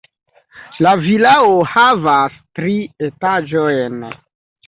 La vilao havas tri etaĝojn.